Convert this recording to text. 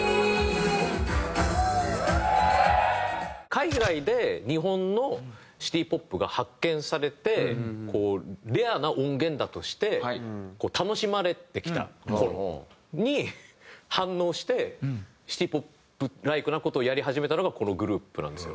海外で日本のシティ・ポップが発見されてレアな音源だとして楽しまれてきた頃に反応してシティ・ポップライクな事をやり始めたのがこのグループなんですよ。